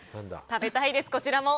食べたいです、こちらも。